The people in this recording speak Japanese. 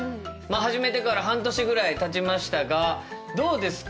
始めてから半年ぐらいたちましたがどうですか？